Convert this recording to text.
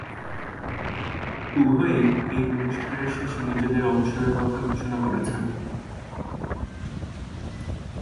উভয়েই এই অনুষ্ঠানের শেষে নিজেদের অবসর কথা ঘোষণা করেছেন।